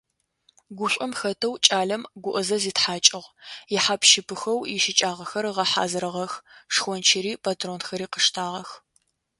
Гушӏом хэтэу кӏалэм гуӏэзэ зитхьакӏыгъ, ихьап-щыпыхэу ищыкӏагъэхэр ыгъэхьазырыгъэх, шхончыри патронхэри къыштагъэх.